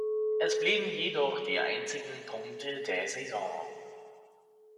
Es blieben jedoch die einzigen Punkte der Saison.